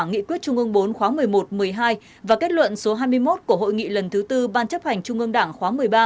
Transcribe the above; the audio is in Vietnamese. nghị quyết trung ương bốn khóa một mươi một một mươi hai và kết luận số hai mươi một của hội nghị lần thứ tư ban chấp hành trung ương đảng khóa một mươi ba